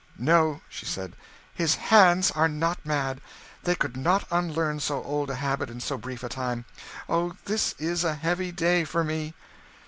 "No," she said, "his hands are not mad; they could not unlearn so old a habit in so brief a time. Oh, this is a heavy day for me!"